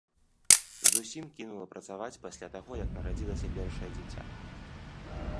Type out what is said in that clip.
Зусім кінула працаваць пасля таго, як нарадзілася першае дзіця.